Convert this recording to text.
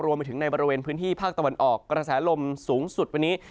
รวมไปถึงในบริเวณพื้นที่ภาคตะวันออกกระแสลมสูงสุดวันนี้